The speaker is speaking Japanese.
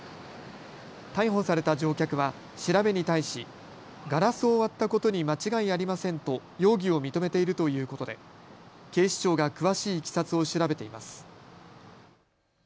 逮捕された乗客は調べに対しガラスを割ったことに間違いありませんと容疑を認めているということで警視庁が詳しいいきさつを調べています。